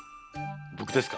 僕ですか？